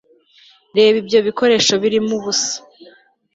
reba ibyo bikoresho birimo ubusa